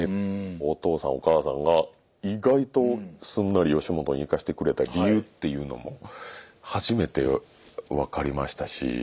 お父さんお母さんが意外とすんなり吉本に行かせてくれた理由っていうのも初めて分かりましたし。